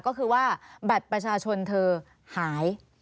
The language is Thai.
ก็คือว่าบัตรประชาชนเธอหาย